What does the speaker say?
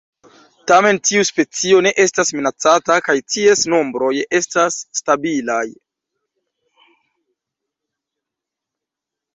Tamen tiu specio ne estas minacata, kaj ties nombroj estas stabilaj.